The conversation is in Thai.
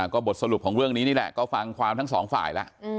ก็บทสรุปของเรื่องนี้นี่แหละก็ฟังความทั้งสองฝ่ายแล้ว